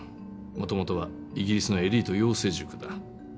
もともとはイギリスのエリート養成塾だ。